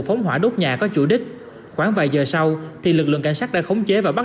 phóng hỏa đốt nhà có chủ đích khoảng vài giờ sau thì lực lượng cảnh sát đã khống chế và bắt